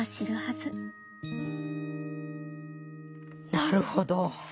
なるほど！